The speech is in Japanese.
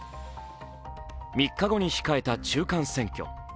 ３日後に控えた中間選挙。